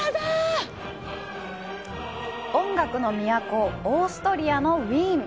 音楽の都、オーストリアのウィーン。